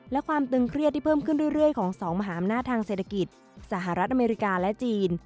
และความตึงเครียดที่เพิ่มขึ้นเรื่อยของสองมหาอำนาจทางเศรษฐกิจสหรัฐอเมริกาและจีน